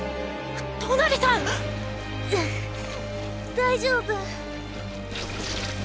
ん大丈夫。